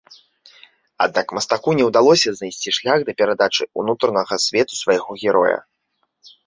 Аднак мастаку не ўдалося знайсці шлях да перадачы ўнутранага свету свайго героя.